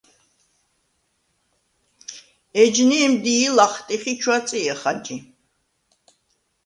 ეჯნე̄მდი̄ ლახტიხ ი ჩვაწჲე ხაჯი.